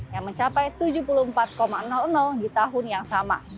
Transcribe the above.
yang mencapai tujuh puluh empat di tahun yang sama